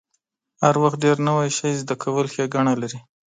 هر وخت ډیر نوی شی زده کول ښېګڼه لري.